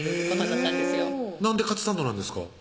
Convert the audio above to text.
なんで「カツサンド」なんですか？